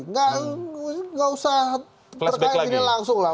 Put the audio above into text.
nggak usah terkait ini langsung lah